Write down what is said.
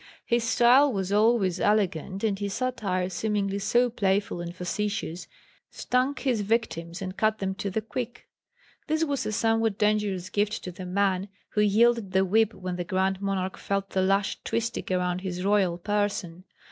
His style was always elegant, and his satire, seemingly so playful and facetious, stung his victims and cut them to the quick. This was a somewhat dangerous gift to the man who wielded the whip when the Grand Monarch felt the lash twisting around his royal person.